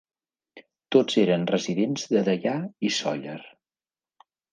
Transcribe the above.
Tots eren residents de Deià i Sóller.